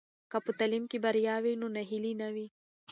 که په تعلیم کې بریا وي نو ناهیلي نه وي.